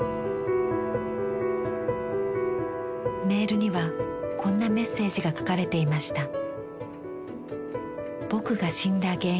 メールにはこんなメッセージが書かれていました。